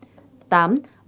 tám văn phòng chính phủ